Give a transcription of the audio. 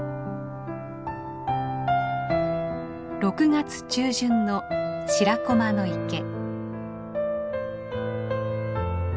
６月中旬の白駒の池。